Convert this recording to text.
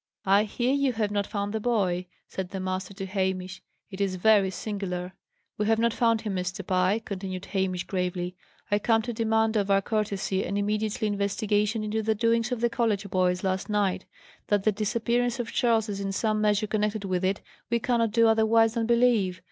"I hear you have not found the boy?" said the master to Hamish. "It is very singular." "We have not found him. Mr. Pye," continued Hamish, gravely, "I come to demand of your courtesy an immediate investigation into the doings of the college boys last night. That the disappearance of Charles is in some measure connected with it, we cannot do otherwise than believe.